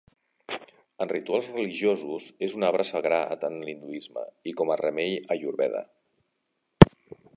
En rituals religiosos, és un arbre sagrat en l'hinduisme, i com a remei ayurveda.